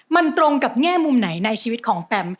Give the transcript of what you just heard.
มันตรงกับแง่มุมไหนในชีวิตของแปม